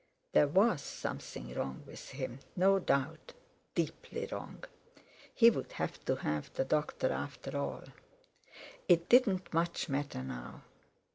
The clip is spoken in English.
There was something wrong with him, no doubt, deeply wrong; he would have to have the doctor after all. It didn't much matter now!